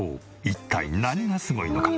一体何がすごいのか？